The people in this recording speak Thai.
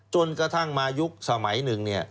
จนกระทั่งมายุคสมัยหนึ่ง